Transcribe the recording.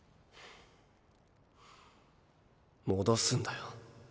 戻すんだよ。